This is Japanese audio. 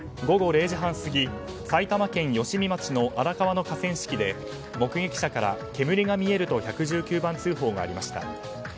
午後０時半過ぎ、埼玉県吉見町の荒川の河川敷で目撃者から煙が見えると１１９番通報がありました。